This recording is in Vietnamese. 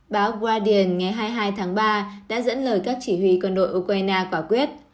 báo gradion ngày hai mươi hai tháng ba đã dẫn lời các chỉ huy quân đội ukraine quả quyết